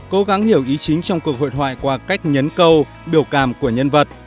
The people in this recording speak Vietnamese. cố gắng hiểu ý chính trong cuộc hội thoại qua cách nhấn câu biểu cảm của nhân vật